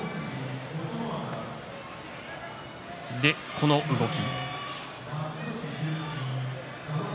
この動き。